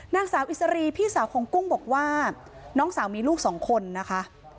นางสาวอิสรีพี่สาวของกุ้งบอกว่าน้องสาวมีลูกสองคนนะคะ